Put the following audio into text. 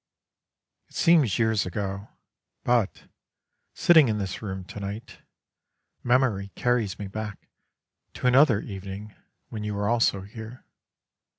It seems years ago, but, sitting in this room to night, memory carries me back to another evening when you were also here.